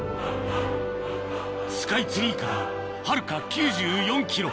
スカイツリーからはるか９４ｋｍ